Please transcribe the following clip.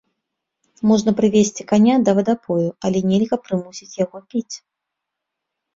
Можна прывесці каня да вадапою, але нельга прымусіць яго піць.